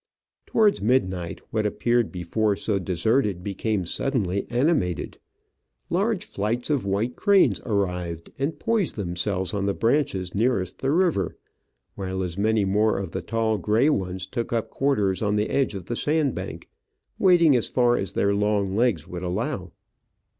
Towards midnight what appeared before so deserted became suddenly animated ; large flights of white cranes arrived, and poised themselves on the branches nearest the river, while as many more of the tall grey ones took up quarters on the Digitized by VjOOQ IC OF AN Orchid Hunter, 99 edge of the sand bank, wading as far as their long legs would allow.